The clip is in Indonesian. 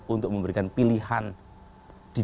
untuk memberikan pilihan di dalam kondisi